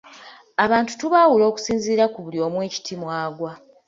Abantu tubaawula okusinziira ku buli omu ekiti mw'agwa.